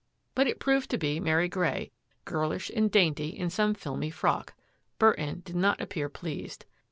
But it proved to be Mary Grey, girlish and dainty in some filmy frock. Burton did not appear pleased.